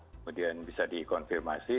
kemudian bisa dikonfirmasi